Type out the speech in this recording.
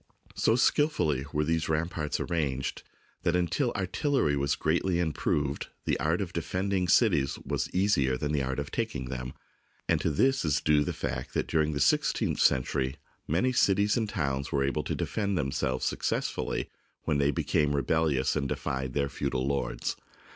So skilfully were these ram parts arranged that until artillery was greatly improved the art of defending cities was easier than the art of taking them, and to this is due the fact that during the sixteenth century many cities and towns were able to defend themselves suc cessfully when they became rebellious and defied their feudal lords.